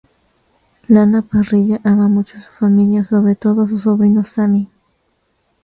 Lana Parrilla ama mucho a su familia, sobre todo a su sobrino Sammy.